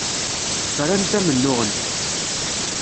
Frant amennuɣ-nni.